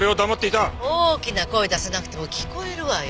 大きな声出さなくても聞こえるわよ。